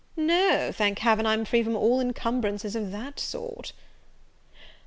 no, thank Heaven, I'm free from all encumbrances of that sort."